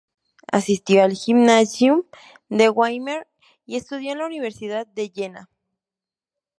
Asistió al Gymnasium de Weimar y estudió en la Universidad de Jena.